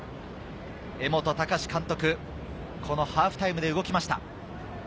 江本孝監督、このハーフタイムで動きました。